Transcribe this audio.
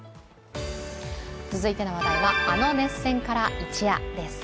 続いての話題は、あの熱戦から一夜です。